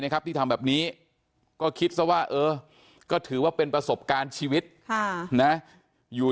ครับที่ทำแบบนี้ก็คิดซะว่าเออก็ถือว่าเป็นประสบการณ์ชีวิตนะอยู่